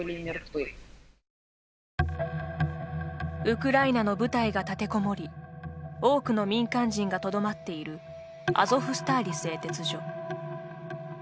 ウクライナの部隊が立てこもり多くの民間人がとどまっているアゾフスターリ製鉄所。